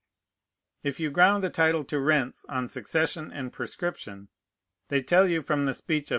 If you ground the title to rents on succession and prescription, they tell you from the speech of M.